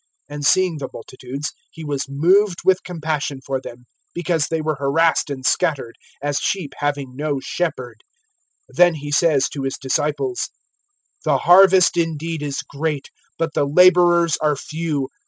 (36)And seeing the multitudes, he was moved with compassion for them, because they were harassed, and scattered[9:36], as sheep having no shepherd. (37)Then he says to his disciples: The harvest indeed is great, but the laborers are few.